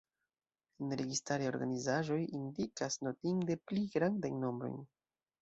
Neregistaraj organizaĵoj indikas notinde pli grandajn nombrojn.